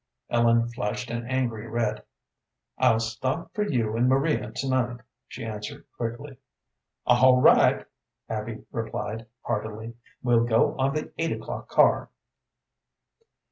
Ellen flushed an angry red. "I'll stop for you and Maria to night," she answered, quickly. "All right," Abby replied, heartily; "we'll go on the eight o'clock car."